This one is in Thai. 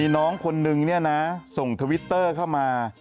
น้องคนนึงเนี่ยนะส่งทวิตเตอร์เข้ามา